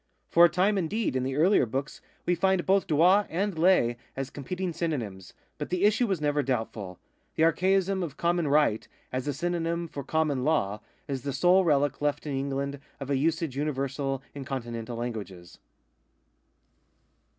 For a time, indeed, in the earlier books we find both droit and ley as competing synonyms,* but the issue was never doubtful. The archaism of " common right " as a synonym for " common law " is the sole relic left in England of a usage universal in Continental languages.